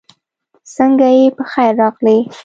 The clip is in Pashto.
سنګه یی پخير راغلې